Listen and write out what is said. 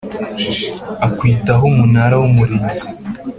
Akwitaho umunara w umurinzi